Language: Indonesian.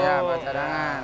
ya buat cadangan